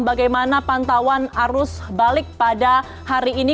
bagaimana pantauan arus balik pada hari ini